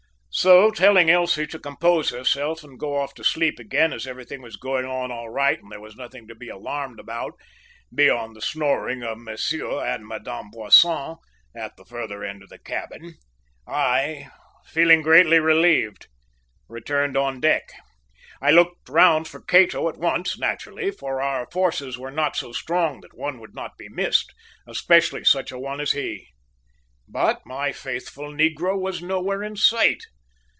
So, telling Elsie to compose herself and go off to sleep again, as everything was going on all right and there was nothing to be alarmed about, beyond the snoring of Monsieur and Madame Boisson at the further end of the cabin, I, feeling greatly relieved, returned on deck. "I looked round for Cato at once, naturally, for our forces were not so strong that one would not be missed, especially such a one as he! "But my faithful negro was nowhere in sight!